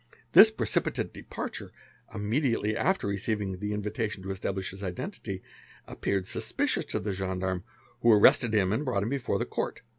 'This precipitate departure, immediately after receivin the invitation to establish his identity, appeared suspicious to the gen darme, who arrested him and brought him before the Court.